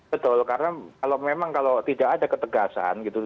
betul karena kalau memang kalau tidak ada ketegasan gitu